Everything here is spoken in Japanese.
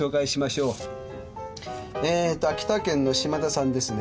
えーと「秋田県の島田さん」ですね。